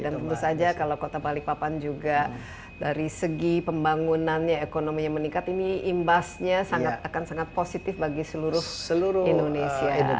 dan tentu saja kalau kota balikpapan juga dari segi pembangunannya ekonominya meningkat ini imbasnya akan sangat positif bagi seluruh indonesia